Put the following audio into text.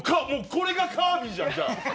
これがカービィじゃん、じゃあ。